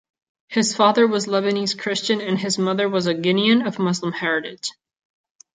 His father was Lebanese Christian and his mother was a Guinean of Muslim heritage.